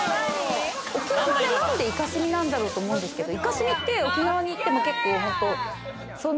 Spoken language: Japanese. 沖縄でなんでイカスミなんだろうって思うんですけれども。